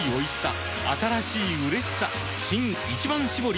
新「一番搾り」